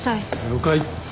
了解。